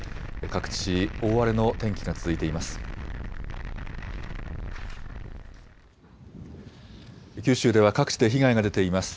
各地、大荒れの天気が続いています。